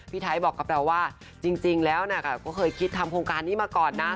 ไทยบอกกับเราว่าจริงแล้วก็เคยคิดทำโครงการนี้มาก่อนนะ